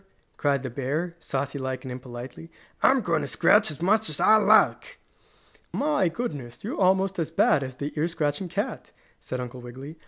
cried the bear, saucy like and impolitely. "I'm going to scratch as much as I like!" "My goodness! You're almost as bad as the ear scratching cat!" said Uncle Wiggily.